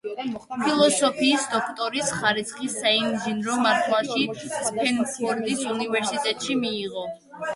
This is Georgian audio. ფილოსოფიის დოქტორის ხარისხი საინჟინრო მართვაში სტენფორდის უნივერსისტეტში მიიღო.